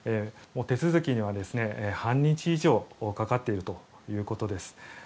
手続きには、半日以上かかっているということです。